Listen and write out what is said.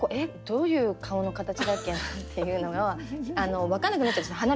どういう顔の形だっけなっていうのが分かんなくなっちゃうんですね